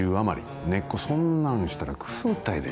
ねっこそんなんしたらくすぐったいで。